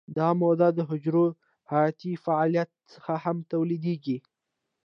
دا مواد د حجرو حیاتي فعالیت څخه هم تولیدیږي.